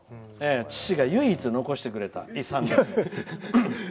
父が唯一残してくれた遺産です。